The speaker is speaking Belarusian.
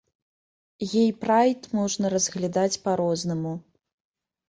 Гей-прайд можна разглядаць па-рознаму.